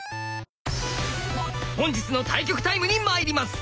本日の対局タイムにまいります！